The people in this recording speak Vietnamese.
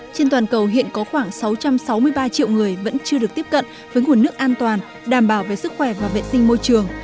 trên toàn cầu hiện có khoảng sáu trăm sáu mươi ba triệu người vẫn chưa được tiếp cận với nguồn nước an toàn đảm bảo về sức khỏe và vệ sinh môi trường